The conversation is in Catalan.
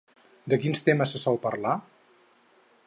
De quins temes se sol parlar?